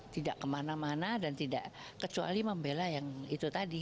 tidak kemana mana dan tidak kecuali membela yang itu tadi